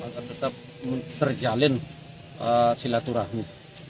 agar tetap terjalin silaturahmi